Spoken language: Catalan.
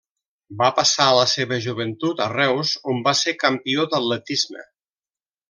Va passar la seva joventut a Reus, on va ser campió d'atletisme.